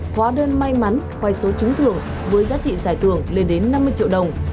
hóa đơn may mắn khoai số trứng thường với giá trị giải thưởng lên đến năm mươi triệu đồng